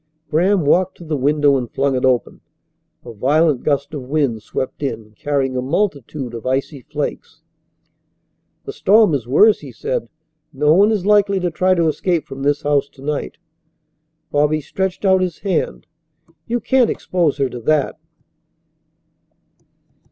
Graham walked to the window and flung it open. A violent gust of wind swept in, carrying a multitude of icy flakes. "The storm is worse," he said. "No one is likely to try to escape from this house to night." Bobby stretched out his hand. "You can't expose her to that."